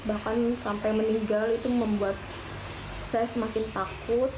bahkan sampai meninggal itu membuat saya semakin takut